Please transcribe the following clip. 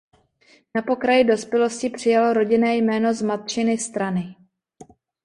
Na pokraji dospělosti přijal rodinné jméno z matčiny strany.